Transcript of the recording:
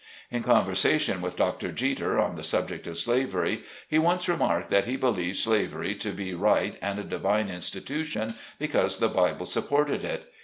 In conversation with Dr. Jeter on the subject of slavery, he once remarked, that he believed slav ery to be right and a divine institution, because the Bible supported it.